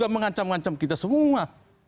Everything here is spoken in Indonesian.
menghancam hancam kita semua